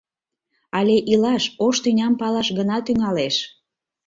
Але илаш, ош тӱням палаш гына тӱҥалеш.